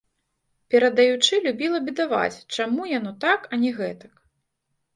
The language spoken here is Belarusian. Перадаючы, любіла бедаваць, чаму яно так, а не гэтак.